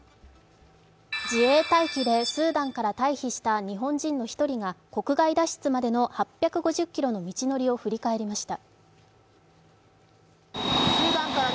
自衛隊機でスーダンから退避した日本人の１人が国外脱出までの８５０ｋｍの道のりを振り返りました。